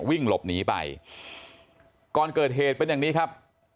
วิ่งหลบหนีไปก่อนเกิดเหตุเป็นอย่างนี้ครับ